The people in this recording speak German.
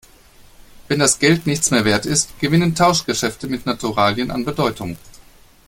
Wenn das Geld nichts mehr Wert ist, gewinnen Tauschgeschäfte mit Naturalien an Bedeutung.